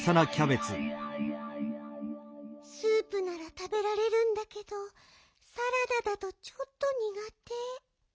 スープならたべられるんだけどサラダだとちょっとにがて。